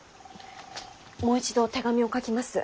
もう一度手紙を書きます。